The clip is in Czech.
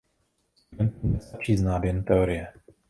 Studentům nestačí znát jen teorie.